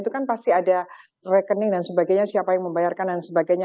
itu kan pasti ada rekening dan sebagainya siapa yang membayarkan dan sebagainya